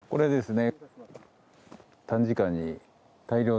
これですね。